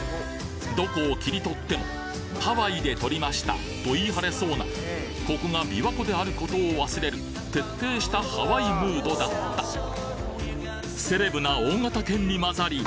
どこを切り取ってもハワイで撮りましたと言い張れそうなここが琵琶湖であることを忘れる徹底したハワイムードだったセレブな大型犬に混ざり